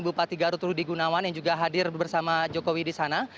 bupati garut rudi gunawan yang juga hadir bersama jokowi di sana